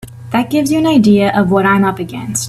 That gives you an idea of what I'm up against.